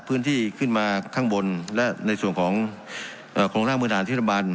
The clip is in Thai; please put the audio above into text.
พื้นที่ขึ้นมาข้างบนและในส่วนของเอ่อโครงทางมือด่านที่ประมาณ